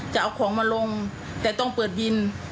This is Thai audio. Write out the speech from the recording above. จะเอาของมาลงแต่ต้องเปิดวิน